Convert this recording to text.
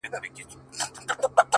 • رند به په لاسو کي پیاله نه لري ,